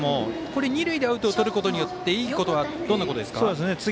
二塁でアウトをとることによっていいことはどんなことですか？